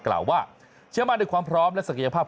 กล่าวว่าเชื่อมั่นในความพร้อมและศักยภาพ